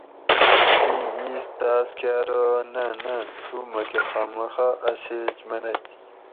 تیں ایس تاۤس کہ ارو نہ نہ تو مکہ خامخہ اۤ سیچ منئ